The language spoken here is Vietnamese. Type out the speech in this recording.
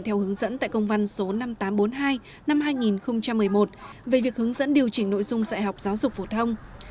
theo hướng dẫn tại công văn số năm nghìn tám trăm bốn mươi hai năm hai nghìn một mươi một về việc hướng dẫn điều chỉnh nội dung dạy học giáo dục phổ thông